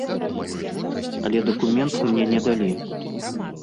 Але дакумент мне не далі.